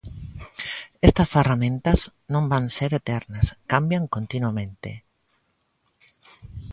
Estas ferramentas non van ser eternas, cambian continuamente.